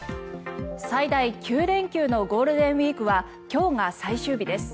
最大９連休のゴールデンウィークは今日が最終日です。